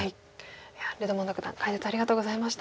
レドモンド九段解説ありがとうございました。